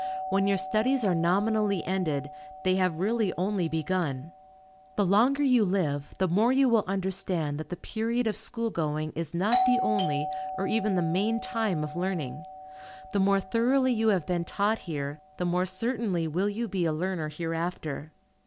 When your studies are nominally ended, they have really only begun. The longer you live, the more will you understand that the period of school going is not the only, or even the main time of learning. The more thoroughly you have been taught here, the more certainly will you be a learner hereafter.